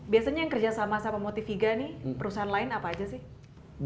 biasanya yang kerjasama sama motiviga nih perusahaan lain apa aja sih